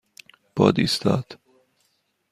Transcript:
باد ایستاد.